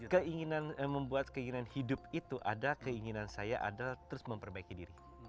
keinginan membuat keinginan hidup itu ada keinginan saya adalah terus memperbaiki diri